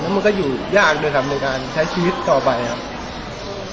มันก็อยู่ยากด้วยครับในการใช้ชีวิตต่อไปครับ